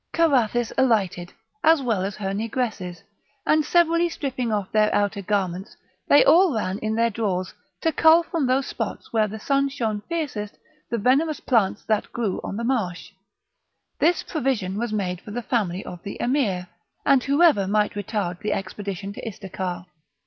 Carathis alighted, as well as her negresses, and severally stripping off their outer garments, they all ran in their drawers, to cull from those spots where the sun shone fiercest the venomous plants that grew on the marsh; this provision was made for the family of the Emir, and whoever might retard the expedition to Istakar.